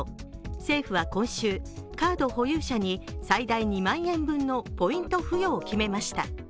政府は今週、カード保有者に最大２万円分のポイント付与を決めました。